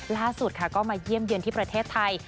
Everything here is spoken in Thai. ล่าสุดค่ะก็มาเยี่ยมเยือนที่ประเทศไทย